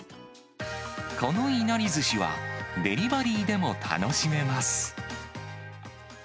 このいなりずしは、デリバリーでも楽しめます。